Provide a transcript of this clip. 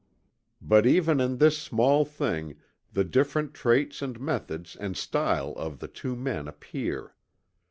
But even in this small thing the different traits and methods and style of the two men appear.